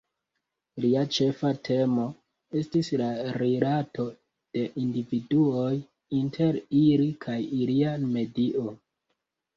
Lia ĉefa temo estis la rilato de individuoj inter ili kaj ilia medio.